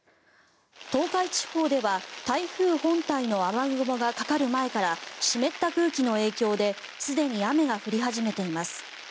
東海地方では台風本体の雨雲がかかる前から湿った空気の影響ですでに雨が降り始めています。